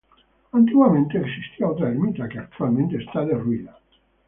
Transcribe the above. Antiguamente existía otra ermita, que actualmente está derruida.